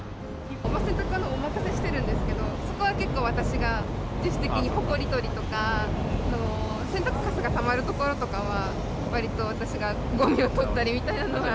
洗濯はお任せしてるんですけど、そこは結構私が、自主的にほこり取りとか、洗濯かすがたまるところとかは、わりと私がごみを取ったりみたいなのは。